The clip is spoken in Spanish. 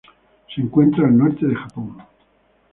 Se encuentra al norte de Japón.